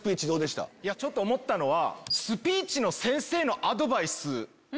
ちょっと思ったのは。